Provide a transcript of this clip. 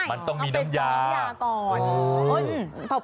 มันต้องมีน้ำยาเอาเป็นเจ๊ยาก่อน